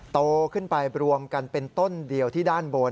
โตขึ้นไปรวมกันเป็นต้นเดียวที่ด้านบน